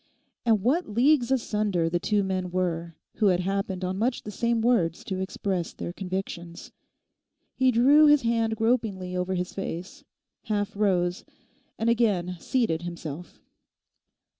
And what leagues asunder the two men were who had happened on much the same words to express their convictions. He drew his hand gropingly over his face, half rose, and again seated himself.